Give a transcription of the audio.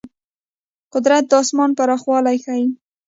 قدرت د آسمان پراخوالی ښيي.